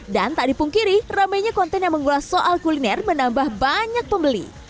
dan tak dipungkiri rame nya konten yang menggula soal kuliner menambah banyak pembeli